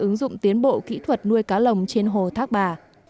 ứng dụng tiến bộ kỹ thuật nuôi cá lồng trên hồ thác bà